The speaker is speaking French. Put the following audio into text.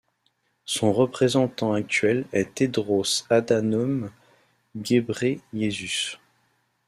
Son représentant actuel est Tedros Adhanom Ghebreyesus.